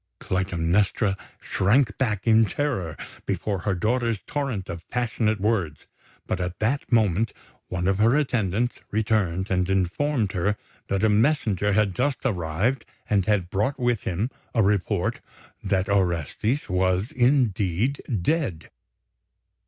Clytemnestra shrank back in terror before her daughter's torrent of passionate words; but at that moment one of her attendants returned and informed her that a messenger had just arrived and had brought with him a report that Orestes was indeed dead.